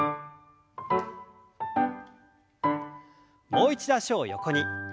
もう一度脚を横に。